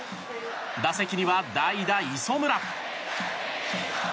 打席には代打・磯村。